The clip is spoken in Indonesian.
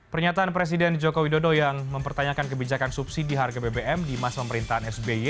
pernyataan presiden joko widodo yang mempertanyakan kebijakan subsidi harga bbm di masa pemerintahan sby